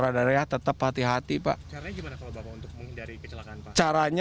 ada agak khawatirnya